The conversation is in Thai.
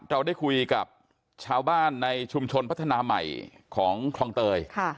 เราได้คุยกับชาวบ้านในชุมชนพัฒนาใหม่ของคลองเตย